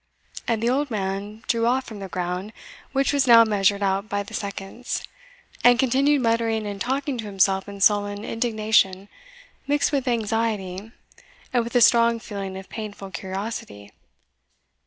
And the old man drew off from the ground, which was now measured out by the seconds, and continued muttering and talking to himself in sullen indignation, mixed with anxiety, and with a strong feeling of painful curiosity.